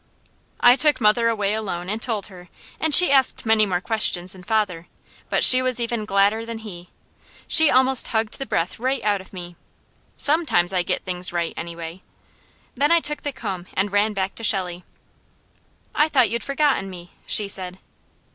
I took mother away alone and told her, and she asked many more questions than father, but she was even gladder than he. She almost hugged the breath out of me. Sometimes I get things RIGHT, anyway! Then I took the comb and ran back to Shelley. "I thought you'd forgotten me," she said.